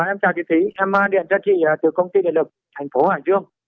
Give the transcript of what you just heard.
em chào chị thúy em điện cho chị từ công ty điện lực thành phố hải dương